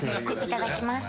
いただきます。